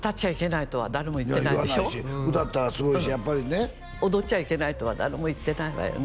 いや言わないし歌ったらすごいしやっぱりね踊っちゃいけないとは誰も言ってないわよね？